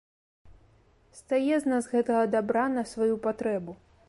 Стае з нас гэтага дабра на сваю патрэбу.